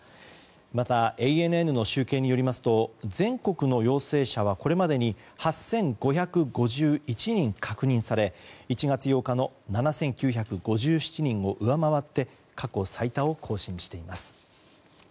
また、ＡＮＮの集計によりますと全国の陽性者はこれまでに８５５１人確認され１月８日の７９５７人を上回って過去最多を更新しています。